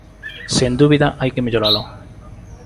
Sen dúbida, hai que melloralo.